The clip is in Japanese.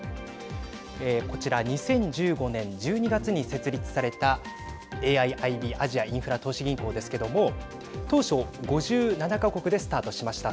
こちら２０１５年１２月に設立されたＡＩＩＢ＝アジアインフラ投資銀行ですけども当初、５７か国でスタートしました。